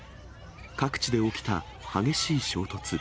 各地で起きた激しい衝突。